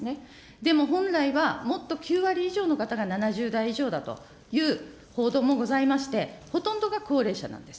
でも本来は、もっと９割以上の方が７０代以上だという報道もございまして、ほとんどが高齢者なんです。